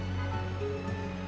makasih ya nak